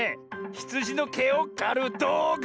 ひつじの「け」をかるどうぐ！